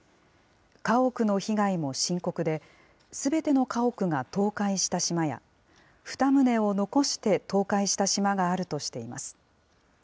家屋の被害も深刻で、すべての家屋が倒壊した島や、２棟を残して倒壊した島があるとしています。